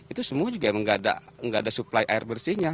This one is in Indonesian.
itu semua juga emang nggak ada suplai air bersihnya